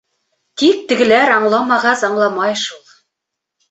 Тик тегеләр аңламағас аңламай шул.